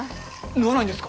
縫わないんですか？